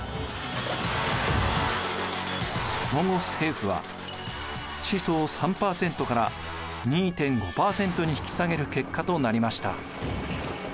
その後政府は地租を３％から２．５％に引き下げる結果となりました。